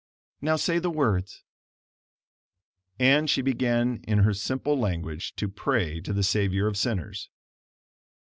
Now say the words." And she began in her simple language to pray to the Savior of sinners.